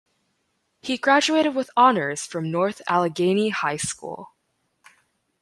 He graduated with honors from North Allegheny High School.